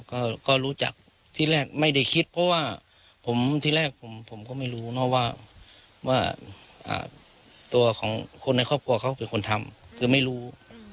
ก็รู้จักที่แรกไม่ได้คิดเพราะว่าผมที่แรกผมก็ไม่รู้นะว่าตัวของคนในครอบครัวเขาเป็นคนทำคือไม่รู้